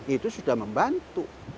itu sudah membantu